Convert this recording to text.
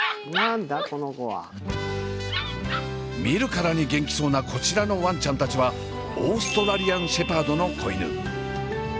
見るからに元気そうなこちらのわんちゃんたちはオーストラリアン・シェパードの子犬。